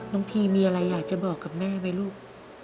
ทีมีอะไรอยากจะบอกกับแม่ไหมลูก